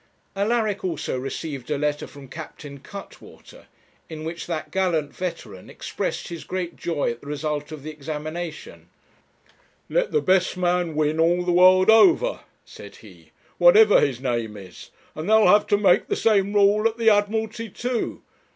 Alaric also received a letter from Captain Cuttwater, in which that gallant veteran expressed his great joy at the result of the examination 'Let the best man win all the world over,' said he, 'whatever his name is. And they'll have to make the same rule at the Admiralty too.